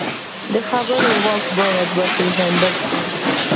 د خبرو واک باید وپېژندل شي